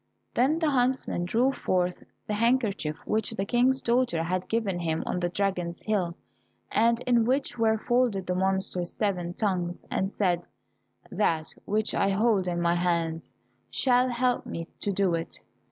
Then the huntsman drew forth the handkerchief which the King's daughter had given him on the dragon's hill, and in which were folded the monster's seven tongues, and said, "That which I hold in my hand shall help me to do it."